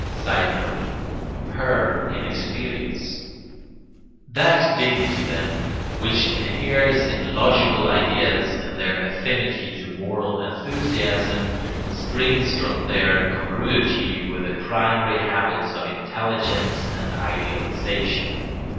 [Sidenote: Her inexperience.] That dignity, then, which inheres in logical ideas and their affinity to moral enthusiasm, springs from their congruity with the primary habits of intelligence and idealisation.